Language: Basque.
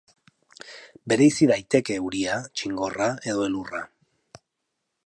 Bereizi daiteke euria, txingorra edo elurra.